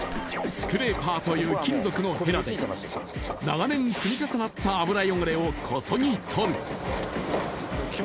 スクレーパーという金属のヘラで長年積み重なった油汚れをこそぎ取る。